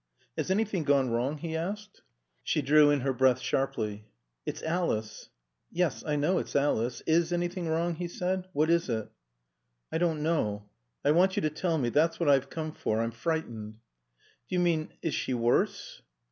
"Has anything gone wrong?" he asked. She drew in her breath sharply. "It's Alice." "Yes, I know it's Alice. Is anything wrong?" he said. "What is it?" "I don't know. I want you to tell me. That's what I've come for. I'm frightened." "D'you mean, is she worse?"